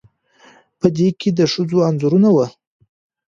په دې کې د ښځو انځورونه وو